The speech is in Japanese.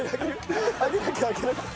上げなきゃ上げなきゃ。